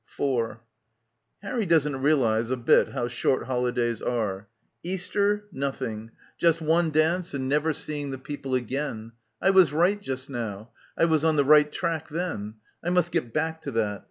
... 4 Harry doesn't realise a bit how short holidays are. Easter — nothing. Just one dance and — 150 — BACKWATER never seeing the people again. I was right just now. I was on the right track then. I must get back to that.